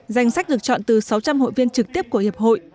danh sách được chọn từ sáu trăm linh hội viên trực tiếp của hiệp hội